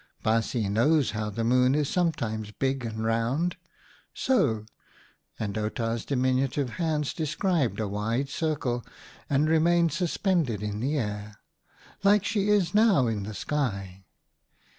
'" Baasjes know how the Moon is some times big and round so "— and Outa's diminutive hands described a wide circle and remained suspended in the air — "like she is now in the sky.